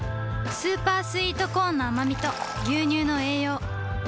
スーパースイートコーンのあまみと牛乳の栄養